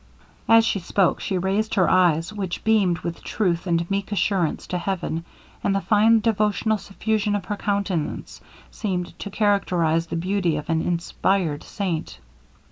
As she spoke she raised her eyes, which beamed with truth and meek assurance to heaven; and the fine devotional suffusion of her countenance seemed to characterize the beauty of an inspired saint.